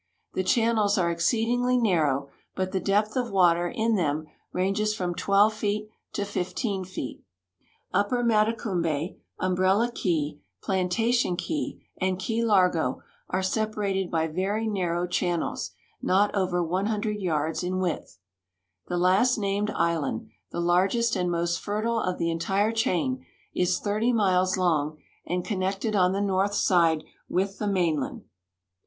The channels are exceedingly narrow, but the depth of water in them ranges from 12 feet to 15 feet. Upper Matecumhe, Umbrella Key, Plantation Key, and Key Largo are sei>arated by very narrow channels, not over 100 yards in width. The last named island, the largest and most fertile of the entire chain, is 30 miles long, and connected on the north side with the mainland.